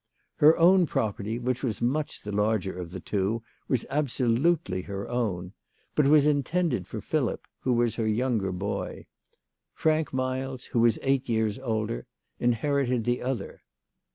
Her own property, which was much the larger of the two, was absolutely her own ; but was intended for Philip, who was her younger boy. Frank Miles, who was eight years older, inherited the other.